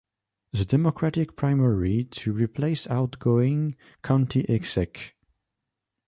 The Democratic primary to replace outgoing County Exec.